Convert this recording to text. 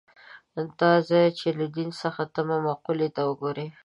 دا ځای چې له دین څخه تمه مقولې ته وګوري.